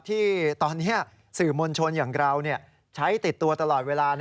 ที่ตอนนี้สื่อมวลชนอย่างเราใช้ติดตัวตลอดเวลา